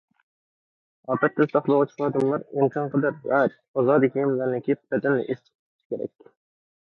ئاپەتتىن ساقلىغۇچى خادىملار ئىمكانقەدەر راھەت، ئازادە كىيىملەرنى كىيىپ بەدىنىنى ئىسسىق تۇتۇشى كېرەك.